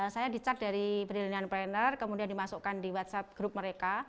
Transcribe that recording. saya dicat dari brilliant proneur kemudian dimasukkan di whatsapp grup mereka